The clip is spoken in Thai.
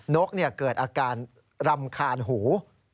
นกเกิดอาการรำคาญหู